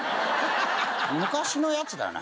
昔のやつだよね。